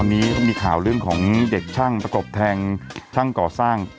วันนี้ก็มีข่าวเรื่องของเด็กช่างประกบแทงช่างก่อสร้าง